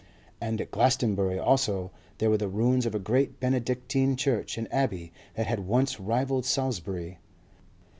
And at Glastonbury also there were the ruins of a great Benedictine church and abbey that had once rivalled Salisbury.